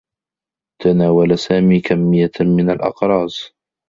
تناول سامي كمّيّة من الأقراص.